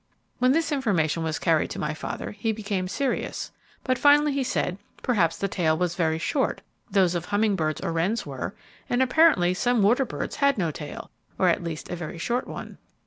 When this information was carried my father, he became serious, but finally he said perhaps the tail was very short; those of humming birds or wrens were, and apparently some water birds had no tail, or at least a very short one.